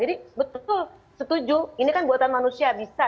jadi betul setuju ini kan buatan manusia bisa